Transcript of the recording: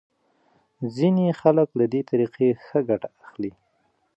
ځینې خلک له دې طریقې ښه ګټه اخلي.